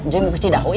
cuwe mau kecik dahuk ya